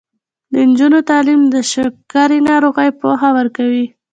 د نجونو تعلیم د شکرې ناروغۍ پوهه ورکوي.